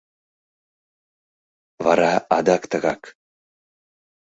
Вара адак тыгак.